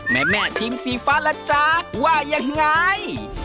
แม่ทีมสีฟ้าล่ะจ๊ะว่ายังไง